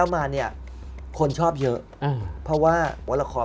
แมทโอปอล์